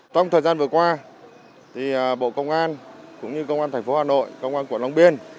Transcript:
trong thời gian vừa qua bộ công an cũng như công an thành phố hà nội công an quận long biên